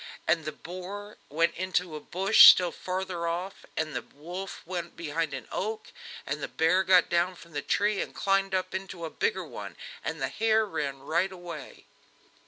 And the boar went into a bush still farther off, and the wolf went behind an oak, and the bear got down from the tree, and climbed up into a bigger one, and the hare ran right away.